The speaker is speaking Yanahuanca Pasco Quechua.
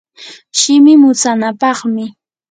shimi mutsanapaqmi.